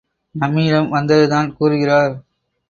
நம்மிடம் வந்துதான் கூறுகிறார்.